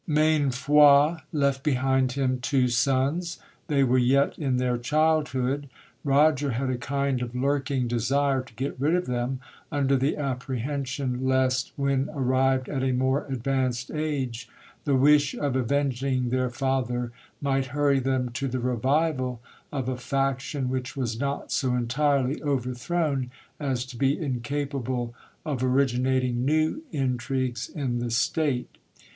Mainfroi left behind him two sons. They were yet in their childhood. Roger had a kind of lurking desire to get rid of them, under the apprehension lest, vrhtn arrived at a more advanced age, the wish of avenging their father might hui ry them to the revival of a faction which was not so entirely overthrown as to be incapable of originating new intrigues in the state.